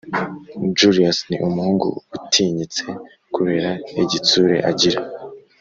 Julius ni umuhungu utinyitse kubera igitsure agira